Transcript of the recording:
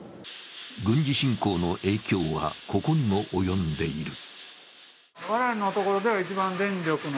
軍事侵攻の影響はここにも及んでいる。